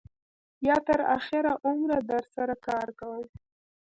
یا تر آخره عمره در سره کار کوم.